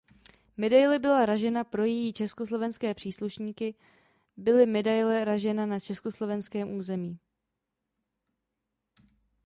Medaile byla ražena Pro její československé příslušníky byla medaile ražena na československém území.